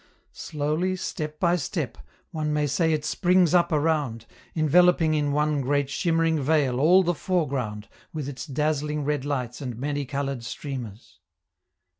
Slowly, step by step, one may say it springs up around, enveloping in one great shimmering veil all the foreground, with its dazzling red lights and many colored streamers.